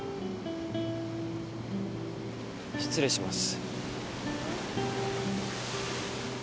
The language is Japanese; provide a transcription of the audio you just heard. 失礼します。